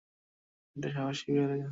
এটি একটি পাহাড়ী জেলা।